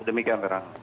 demikian pak rano